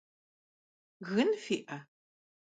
Gın fi'e?